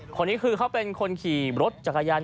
คนนี้คือเขาเป็นคนขี่รถจักรยาน